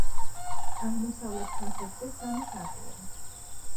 აღმოსავლეთ ფასადზე სამი თაღია.